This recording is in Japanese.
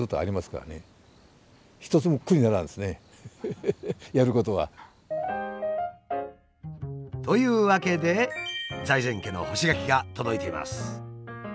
フフフやることは。というわけで財前家の干し柿が届いています。